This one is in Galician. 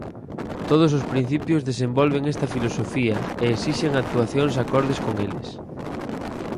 Todos os principios desenvolven esta filosofía e exixen actuacións acordes con eles.